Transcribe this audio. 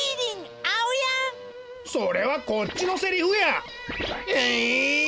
それはこっちのセリフや！